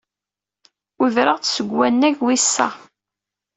Udreɣ-d seg wannag wis sa.